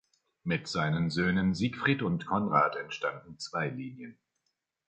Mit seinen Söhnen Siegfried und Konrad entstanden zwei Linien.